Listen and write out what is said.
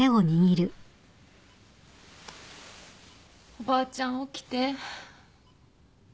おばあちゃん起きて。